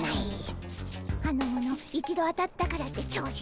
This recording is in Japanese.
あの者一度当たったからって調子づきおって。